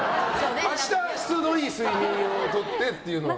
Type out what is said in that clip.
明日、質のいい睡眠をとってっていうのは。